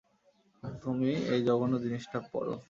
তুমি এই জঘন্য জিনিসটা পরো!